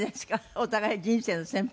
お互い「人生の先輩」。